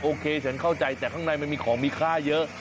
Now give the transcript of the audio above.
โอเคฉันเข้าใจแต่ข้างในมันมีของมีค่าเยอะ